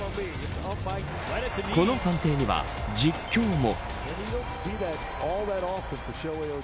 この判定には実況も。